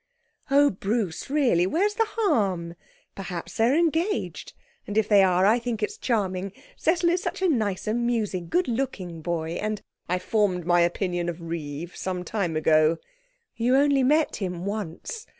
'Oh, Bruce, really! Where's the harm? Perhaps they're engaged; and if they are I think it is charming. Cecil is such a nice, amusing, good looking boy, and ' 'I formed my opinion of Reeve some time ago.' 'You only met him once.'